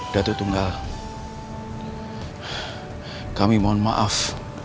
datuk tunggal kami mohon maaf